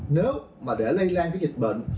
nếu mà để lây lan dịch bệnh